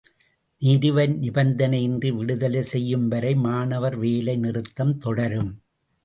நேருவை நிபந்தனையின்றி விடுதலை செய்யும்வரை மாணவர் வேலை நிறுத்தம் தொடரும்.